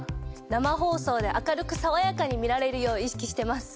生放送で明るくさわやかに見られるよう意識してます。